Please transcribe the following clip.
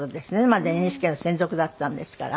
まだＮＨＫの専属だったんですから私。